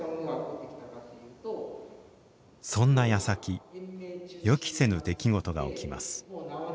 そんなやさき予期せぬ出来事が起きます。